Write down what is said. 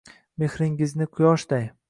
Mehringizni quyoshday